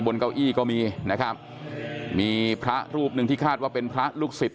เก้าอี้ก็มีนะครับมีพระรูปหนึ่งที่คาดว่าเป็นพระลูกศิษย